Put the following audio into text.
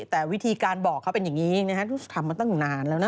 แต่วิธีการบอกเขาเป็นอย่างนี้รู้สึกทำมาตั้งนานแล้วนะ